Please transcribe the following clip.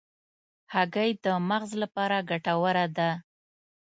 هګۍ د مغز لپاره ګټوره ده.